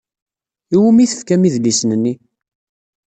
I wumi i tefkam idlisen-nni?